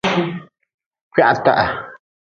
Kwihataha.